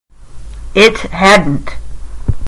It hadn’t.